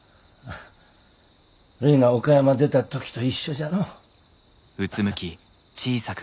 るいが岡山出た時と一緒じゃのう。